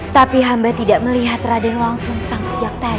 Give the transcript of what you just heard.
tapi hamba tidak melihat raden walang susah seharian ini